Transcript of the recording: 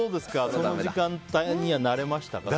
その時間帯には慣れましたか？